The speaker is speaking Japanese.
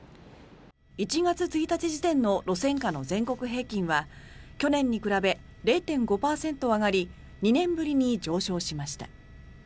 １月１日時点の路線価の全国平均は去年に比べ０．５％上がり２年ぶりに上昇しました。